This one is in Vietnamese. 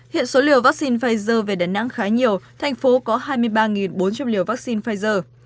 hiện số liều vaccine pfizer về đà nẵng khá nhiều thành phố có hai mươi ba bốn trăm linh liều vaccine pfizer